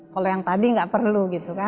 kalau yang tadi tidak perlu